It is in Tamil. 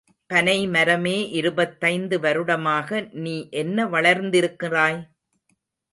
பனைபரமே இருபத்தைந்து வருடமாக நீ என்ன வளர்ந்திருக்கிறாய்?